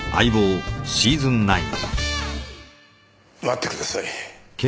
待ってください。